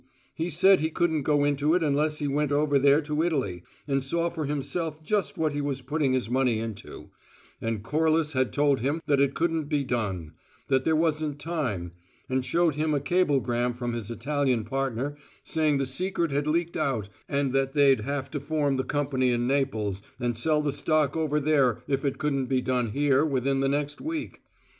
He said he couldn't go into it unless he went over there to Italy and saw for himself just what he was putting his money into, and Corliss had told him that it couldn't be done; that there wasn't time, and showed him a cablegram from his Italian partner saying the secret had leaked out and that they'd have to form the company in Naples and sell the stock over there if it couldn't be done here within the next week.